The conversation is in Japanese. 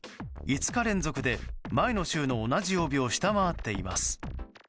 ５日連続で、前の週の同じ曜日を下回っています。